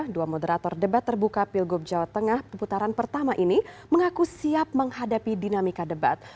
dua moderator debat terbuka pilgub jawa tengah putaran pertama ini mengaku siap menghadapi dinamika debat